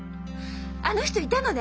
あの人いたのね！？